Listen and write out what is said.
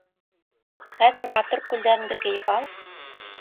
Хәҙер матур күлдәгеңде кейеп ал.